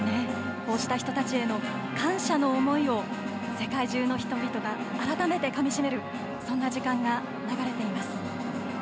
こうした人たちへの感謝の思いを世界中の人々が改めてかみしめるそんな時間が流れています。